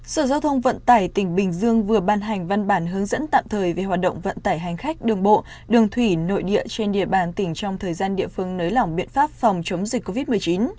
sở giao thông vận tải tỉnh bình dương vừa ban hành văn bản hướng dẫn tạm thời về hoạt động vận tải hành khách đường bộ đường thủy nội địa trên địa bàn tỉnh trong thời gian địa phương nới lỏng biện pháp phòng chống dịch covid một mươi chín